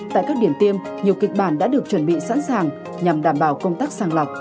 tại các điểm tiêm nhiều kịch bản đã được chuẩn bị sẵn sàng nhằm đảm bảo công tác sàng lọc